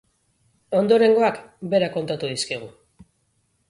Ondorengoak berak kontatu dizkigu.